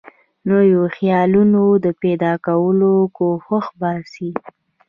نویو خیالونو د پیدا کولو کوښښ باسي.